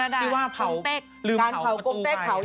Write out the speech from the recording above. ก็เดี๋ยวมาติดตามได้ในมูนาย